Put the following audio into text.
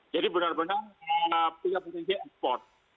jadi benar benar punya potensi ekspor